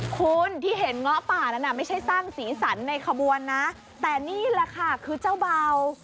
คุณที่เห็นเงาะป่านั้นไม่ใช่สร้างสีสันในขบวนนะแต่นี่แหละค่ะคือเจ้าเบา